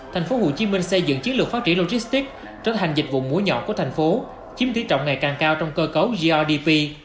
tp hcm xây dựng chiến lược phát triển logistics trở thành dịch vụ muối nhọn của tp chiếm tỷ trọng ngày càng cao trong cơ cấu grdp